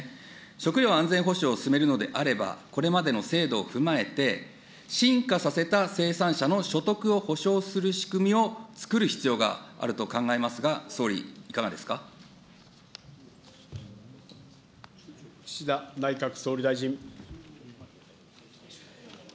食料安全保障を進めるのであれば、これまでの制度を踏まえて、進化させた生産者の所得をほしょうする仕組みを作る必要があると岸田内閣総理大臣。